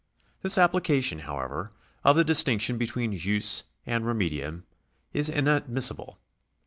This application, however, of the distinction between jus and remedium is inadmissible.